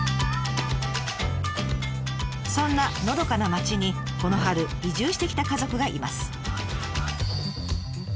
そんなのどかな町にこの春移住してきた家族がいます。